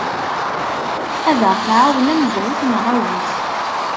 Ad aɣ-tɛawnem, bɣut neɣ agit.